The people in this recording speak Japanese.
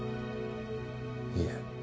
いえ。